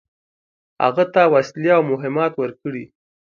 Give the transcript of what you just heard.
هغه ته وسلې او مهمات ورکړي.